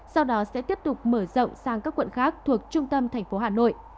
sau đó sẽ tiếp tục mở rộng sang các quận khác thuộc trung tâm thành phố hà nội